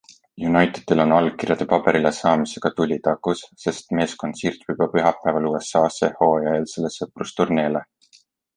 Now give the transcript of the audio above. Unitedil on allkirjade paberile saamisega tuli takus, sest meeskond siirdub juba pühapäeval USAsse hooajaeelsele sõprusturneele.